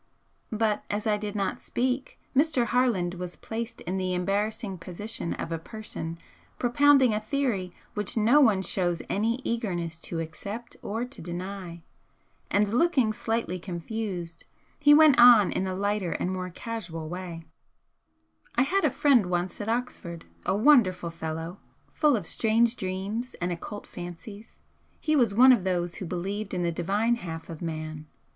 But as I did not speak, Mr. Harland was placed in the embarrassing position of a person propounding a theory which no one shows any eagerness to accept or to deny, and, looking slightly confused, he went on in a lighter and more casual way "I had a friend once at Oxford, a wonderful fellow, full of strange dreams and occult fancies. He was one of those who believed in the Divine half of man.